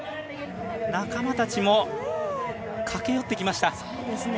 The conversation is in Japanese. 仲間たちも駆け寄ってきました。